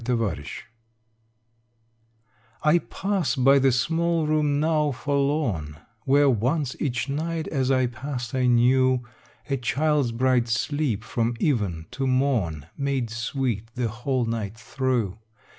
XXVII I pass by the small room now forlorn Where once each night as I passed I knew A child's bright sleep from even to morn Made sweet the whole night through.